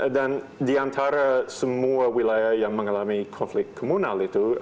dan diantara semua wilayah yang mengalami konflik komunal itu